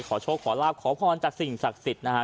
ขอโชคขอลาบขอพรจากสิ่งศักดิ์สิทธิ์นะฮะ